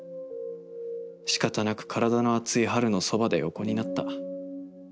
仕方なく体の熱いはるのそばで横になった。